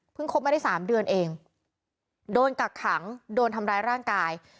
คบมาได้๓เดือนเองโดนกักขังโดนทำร้ายร่างกาย